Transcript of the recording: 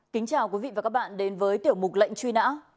kính chào quý vị và các bạn đến với tiểu mục lệnh truy nã